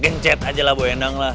gincet aja lah bu enang